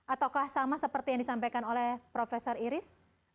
ataukah sama seperti yang disampaikan oleh profesor iris untuk anak anak